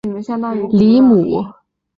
离母糕用四十八片非常整齐均匀的糕块。